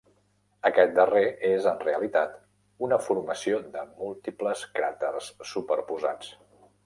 Aquest darrer és en realitat una formació de múltiples cràters superposats.